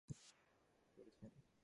তিনি দুইটি উপন্যাস রচনা করেছেন।